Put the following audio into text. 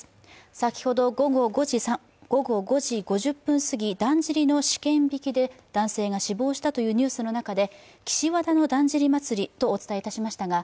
先ほど午後５時５０分すぎだんじりの試験曳きで男性が死亡したというニュースの中で岸和田のだんじり祭とお伝えしましたが。